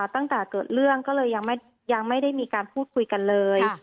ตั้งแต่เกิดเรื่องก็เลยยังไม่ได้มีการพูดคุยกันเลย